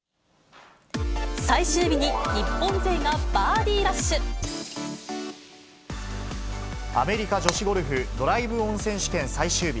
最終日に日本勢がバーディーアメリカ女子ゴルフ、ドライブオン選手権最終日。